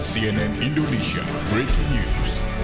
cnn indonesia breaking news